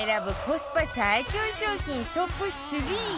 コスパ最強商品トップ３